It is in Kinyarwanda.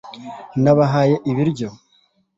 nabahaye ibiryo